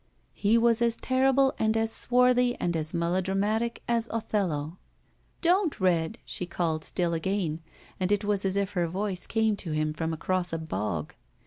He was as terrible and as swarthy and as melo dramatic as Othello. "Don't, Red," she called still again, and it was as if her voice came to him from across a bog.